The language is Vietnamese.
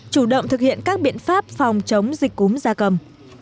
chủ động thực hiện các biện pháp phòng chống dịch cúm da cầm